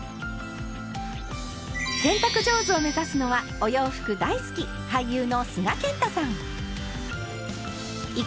洗濯上手を目指すのはお洋服大好き俳優の須賀健太さん。